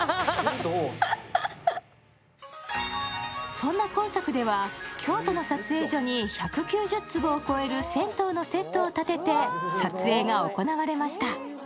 そんな今作では京都の撮影所に１９０坪を超える銭湯のセットを建てて撮影が行われました。